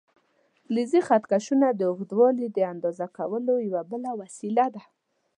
فلزي خط کشونه د اوږدوالي د اندازه کولو یوه بله وسیله ده.